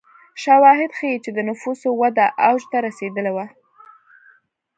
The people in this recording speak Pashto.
شواهد ښيي چې د نفوسو وده اوج ته رسېدلې وه.